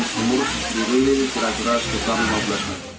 untuk kelembaban sumur diri keras keras sekitar lima belas meter